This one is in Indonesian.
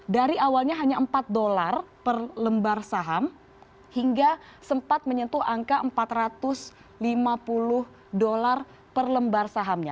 dari awalnya hanya empat dolar per lembar saham hingga sempat menyentuh angka empat ratus lima puluh dolar per lembar sahamnya